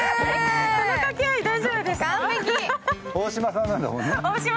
この掛け合い、大丈夫ですか。